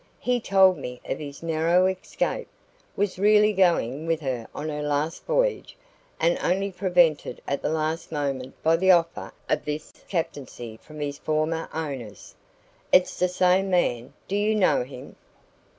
He told me of his narrow escape was really going with her on her last voyage, and only prevented at the last moment by the offer of this captaincy from his former owners. It's the same man. Do you know him?"